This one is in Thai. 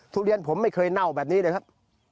ทุเรียนผมไม่เคยเน่าแบบนี้เลยครับ